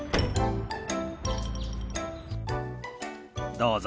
どうぞ。